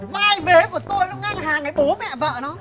vai vế của tôi nó ngang hàng này bố mẹ vợ nó